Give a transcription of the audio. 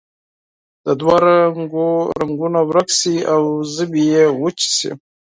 د دوه رنګو رنګونه ورک شي او ژبې یې وچې شي.